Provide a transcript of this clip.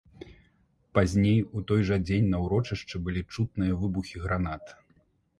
Пазней, у той жа дзень на ўрочышчы былі чутныя выбухі гранат.